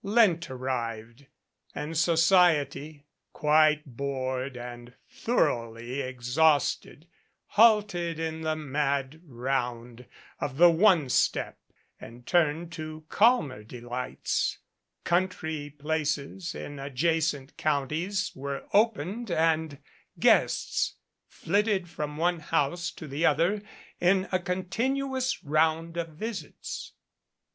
Lent arrived, and society, quite bored and thoroughly exhausted, halted in the mad round of the "one step" and turned to calmer delights. Country places in adjacent counties were opened and guests flitted from one house to the other in a continuous round of visits. Mrs.